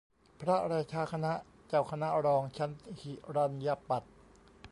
พระราชาคณะ เจ้าคณะรอง ชั้นหิรัณยปัฏ